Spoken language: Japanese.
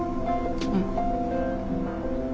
うん。